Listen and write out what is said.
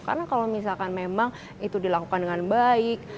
karena kalau misalkan memang itu dilakukan dengan baik